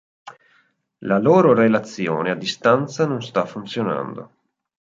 La loro relazione a distanza non sta funzionando.